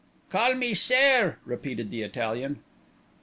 "Call me sair," repeated the Italian.